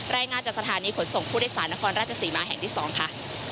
รายงานจากสถานีขนส่งผู้โดยสารนครราชศรีมาแห่งที่๒ค่ะ